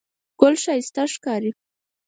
ګل ښایسته ښکاري.